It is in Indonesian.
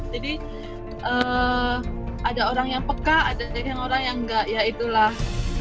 jadi ada orang yang peka ada orang yang nggak ya itulah